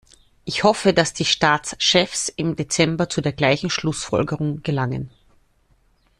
Ich hoffe, dass die Staatschefs im Dezember zu der gleichen Schlussfolgerung gelangen.